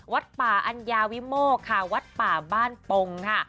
วัดป่าอัญญาวิโมกค่ะวัดป่าบ้านปงค่ะ